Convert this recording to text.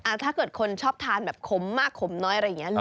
ถ้าเกิดคนชอบทานแบบขมมากขมน้อยอะไรอย่างนี้